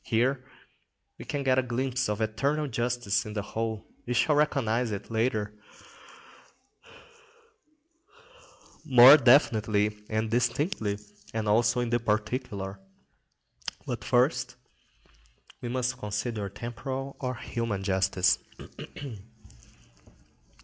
Here we get a glimpse of eternal justice in the whole: we shall recognise it later more definitely and distinctly, and also in the particular. But first we must consider temporal or human justice.